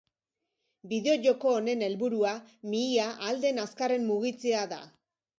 Bideo-joko honen helburua mihia ahal den azkarren mugitzea da.